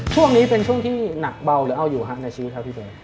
ช่วงนี้เป็นช่วงที่หนักเบาหรือเอาอยู่ฮะในชีวิตครับพี่เบส